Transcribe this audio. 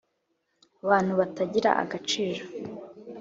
abantu batagira agaciro,